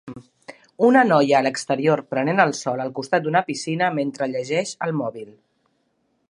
Una noia a l'exterior prenent el sol al costat d'una piscina mentre llegeix el mòbil.